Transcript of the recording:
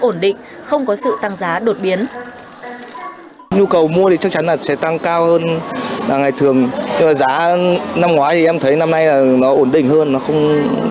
ổn định không có sự tăng giá đột biến nhu cầu mua thì chắc chắn là sẽ tăng cao hơn ngày thường